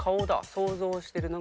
想像してる。